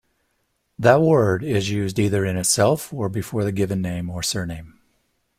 That word is used either in itself or before the given name or surname.